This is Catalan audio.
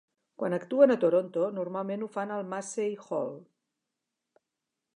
Quan actuen a Toronto, normalment ho fan al Massey Hall.